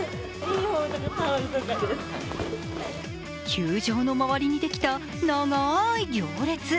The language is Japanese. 球場の周りにできた長い行列。